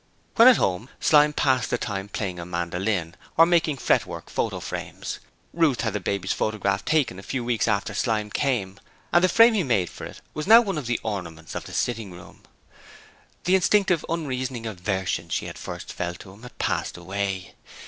When at home Slyme passed his time playing a mandolin or making fretwork photo frames. Ruth had the baby's photograph taken a few weeks after Slyme came, and the frame he made for it was now one of the ornaments of the sitting room. The instinctive, unreasoning aversion she had at first felt for him had passed away.